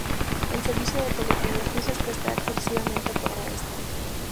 El servicio de telefonía fija es prestado exclusivamente por Movistar.